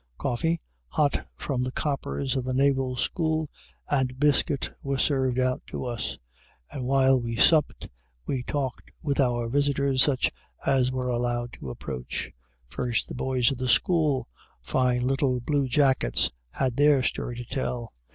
Coffee, hot from the coppers of the Naval School, and biscuit were served out to us; and while we supped, we talked with our visitors, such as were allowed to approach. First the boys of the School fine little blue jackets had their story to tell.